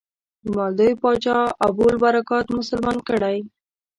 د مالدیو پاچا ابوالبرکات مسلمان کړی.